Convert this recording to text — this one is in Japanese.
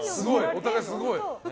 お互いすごい。